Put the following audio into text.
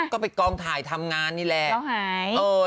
ก็ไปกองถ่ายทำงานนี่แหละแล้วหาย